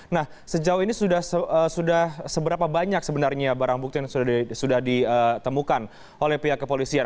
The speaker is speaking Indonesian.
nah sejauh ini sudah seberapa banyak sebenarnya barang bukti yang sudah ditemukan oleh pihak kepolisian